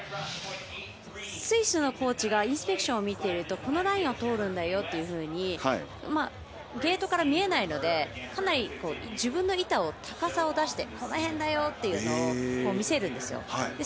スイスのコーチがインスペクションを見ているとこのラインを通るんだよというのがゲートから見えないのでかなり自分の板の高さを出してこの辺だよというのを見せるんですよ。